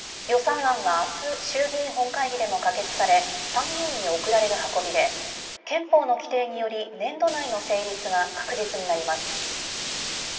予算案はあす、衆議院本会議でも可決され、参議院に送られる運びで、憲法の規定により、年度内の成立が確実になります。